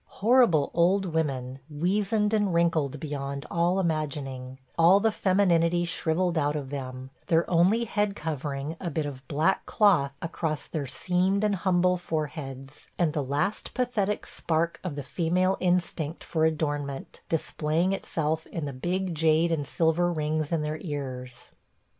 . horrible old women, weazened and wrinkled beyond all imagining, all the femininity shrivelled out of them, their only head covering a bit of black cloth across their seamed and humble foreheads, and the last pathetic spark of the female instinct for adornment displaying itself in the big jade and silver rings in their ears.